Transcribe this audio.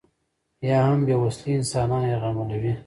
یا هم بې وسلې انسانان یرغمالوي.